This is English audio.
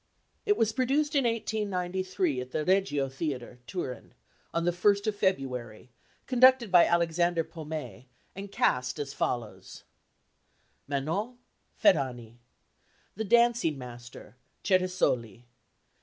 It was produced in 1893 at the Regio Theatre, Turin, on the 1st of February, conducted by Alexander Pomé, and cast as follows: Manon FERRANI. The Dancing Master CERESOLI.